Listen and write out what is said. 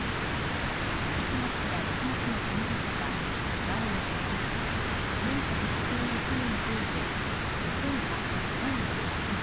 １月から６月の検挙者は前の年より４５１人増えて２８３７人。